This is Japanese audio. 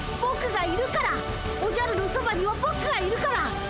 ぼくがいるからおじゃるのそばにはぼくがいるから！